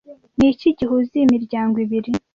Niki gihuza iyi miryango ibiri